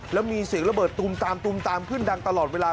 แล้วมีเสียงระเบิดตุมตามตุมตามขึ้นดังตลอดเวลา